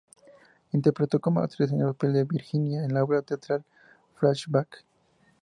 Interpretó como actriz en el papel de Virginia en la obra teatral "Flashback".